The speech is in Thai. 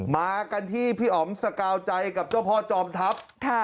มากันที่พี่อ๋อมสกาวใจกับเจ้าพ่อจอมทัพ